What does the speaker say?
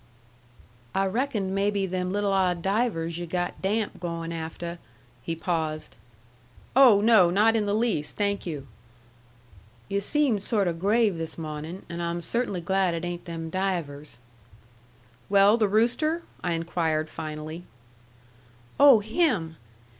"I reckoned maybe them little odd divers yu' got damp goin' afteh " He paused. "Oh, no, not in the least, thank you." "Yu' seemed sort o' grave this mawnin', and I'm cert'nly glad it ain't them divers." "Well, the rooster?" I inquired finally. "Oh, him!